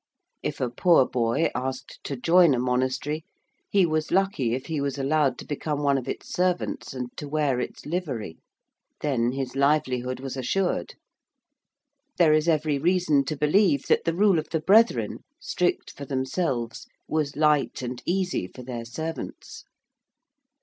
If a poor boy asked to join a monastery he was lucky if he was allowed to become one of its servants and to wear its livery. Then his livelihood was assured. There is every reason to believe that the rule of the brethren, strict for themselves, was light and easy for their servants.